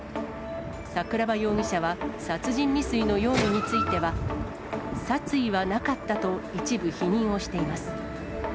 桜庭容疑者は、殺人未遂の容疑については殺意はなかったと一部否認をしています。